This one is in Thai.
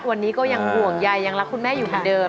วันนี้ก็ยังห่วงใยยังรักคุณแม่อยู่เหมือนเดิม